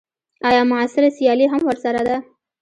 ایا معاصره سیالي هم ورسره ده.